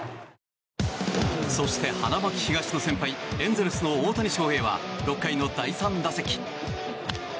そして、花巻東の先輩エンゼルスの大谷翔平は６回の第３打席。